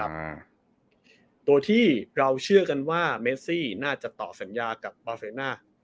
ตัวที่เราเชื่อกันว่าเมซี่น่าจะต่อสัญญากับบาเซน่า